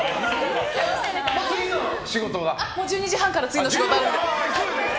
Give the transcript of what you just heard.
１２時半から次の仕事あるので。